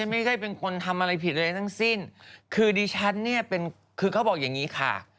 ไม่ได้เป็นคนทำอะไรผิดอะไรทั้งสิ้นคือดิฉันเนี่ยเป็นคือเขาบอกอย่างนี้ค่ะ